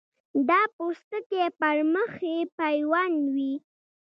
دا پوستکی پر مخ یې پیوند وي.